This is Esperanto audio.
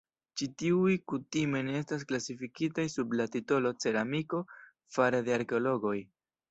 Ĉi tiuj kutime ne estas klasifikitaj sub la titolo "ceramiko" fare de arkeologoj.